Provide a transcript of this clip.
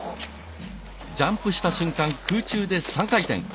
ジャンプした瞬間、空中で３回転。